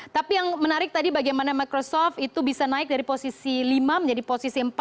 tapi yang menarik tadi bagaimana microsoft itu bisa naik dari posisi lima menjadi posisi empat